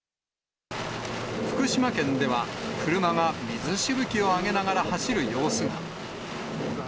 福島県では、車が水しぶきを上げながら走る様子が。